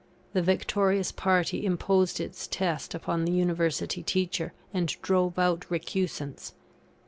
The victorious party imposed its test upon the University teacher, and drove out recusants.